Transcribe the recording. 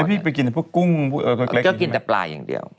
แล้วพี่ไปกินแต่พวกกุ้งเออก็กินแต่ปลาอย่างเดียว